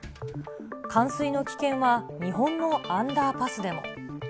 冠水の危険は日本のアンダーパスでも。